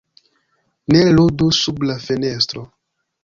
Ne ludu sub la fenestro!